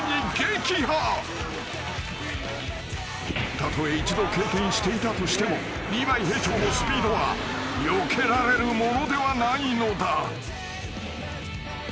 ［たとえ一度経験していたとしてもリヴァイ兵長のスピードはよけられるものではないのだ］